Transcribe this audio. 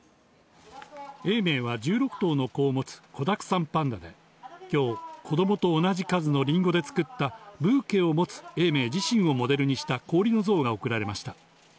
永明は１６頭の子を持つ子だくさんパンダで今日、子供と同じ数のリンゴで作ったブーケを持つ永明自身をモデルにした氷の像が贈られました。